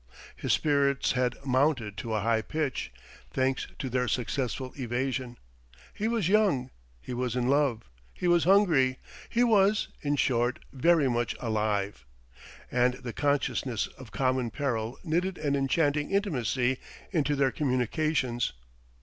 His spirits had mounted to a high pitch, thanks to their successful evasion. He was young, he was in love, he was hungry, he was in short very much alive. And the consciousness of common peril knitted an enchanting intimacy into their communications.